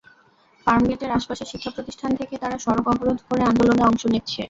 ফার্মগেটের আশপাশের শিক্ষাপ্রতিষ্ঠান থেকে তাঁরা সড়ক অবরোধ করে আন্দোলনে অংশ নিচ্ছে।